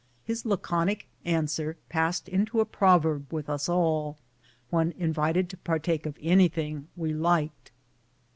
His laconic answer passed into a proverb with us all, when invited to partake of anything we liked.